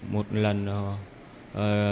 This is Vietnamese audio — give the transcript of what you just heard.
một lần đó